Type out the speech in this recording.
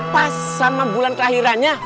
pas sama bulan ke akhirannya